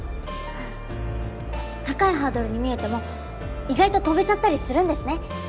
高いハードルに見えても意外と飛べちゃったりするんですね。